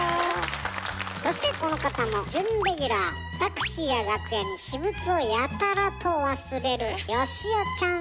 そしてこの方もタクシーや楽屋に私物をやたらと忘れるよしおちゃん。